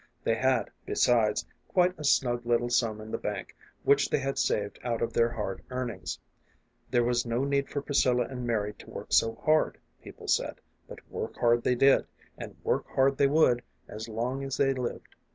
They had, besides, quite a snug little sum in the bank, which they had saved out of their hard earnings. There was no need for Priscilla and Mary to work so hard, people said ; but work hard they did, and work hard they would as long as they lived.